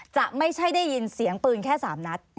จะไม่ใช่ได้ยินเสียงปืนแค่๓นัด